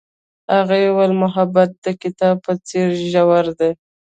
هغې وویل محبت یې د کتاب په څېر ژور دی.